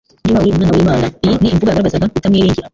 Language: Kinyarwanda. Niba uri umwana w'Imana.” Iyi ni imvugo yagaragazaga kutamwiringira